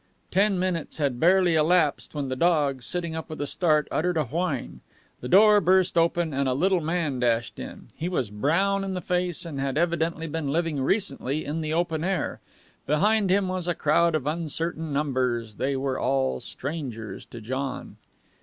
Ten minutes had barely elapsed when the dog, sitting up with a start, uttered a whine. The door burst open and a little man dashed in. He was brown in the face, and had evidently been living recently in the open air. Behind him was a crowd of uncertain numbers. They were all strangers to John.